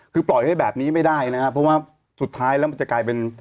คือปล่อยให้แบบนี้ไม่ได้นะครับเพราะว่าสุดท้ายแล้วมันจะกลายเป็น